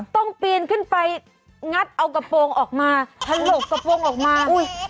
ปีนขึ้นไปงัดเอากระโปรงออกมาถลกกระโปรงออกมา